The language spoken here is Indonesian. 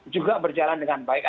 juga berjalan dengan baik